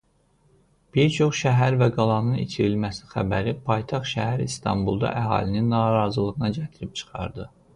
Bir çox şəhər və qalanın itirilməsi xəbəri paytaxt şəhər İstanbulda əhalinin narazılığına gətirib çıxardı.